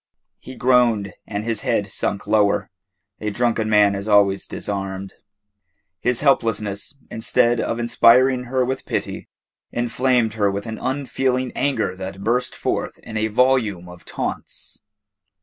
He groaned and his head sunk lower. A drunken man is always disarmed. His helplessness, instead of inspiring her with pity, inflamed her with an unfeeling anger that burst forth in a volume of taunts.